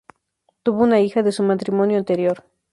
Tuvo una hija de su matrimonio anterior.